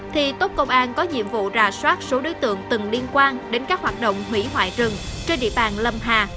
thì tốt công an có nhiệm vụ rà soát số đối tượng từng liên quan đến các hoạt động hủy hoại rừng trên địa bàn lâm hà